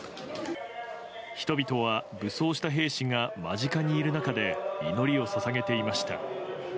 人々は武装した兵士が間近にいる中で祈りを捧げていました。